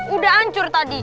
udah ancur tadi